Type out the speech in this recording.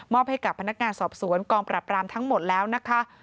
ให้กับพนักงานสอบสวนกองปรับรามทั้งหมดแล้วนะคะ